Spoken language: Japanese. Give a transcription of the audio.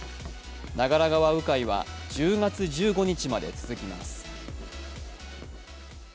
長良川鵜飼は１０月１５日まで続きます。